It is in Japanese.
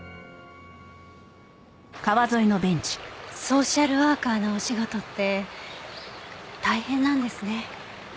ソーシャルワーカーのお仕事って大変なんですね。